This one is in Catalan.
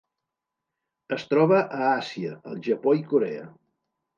Es troba a Àsia: el Japó i Corea.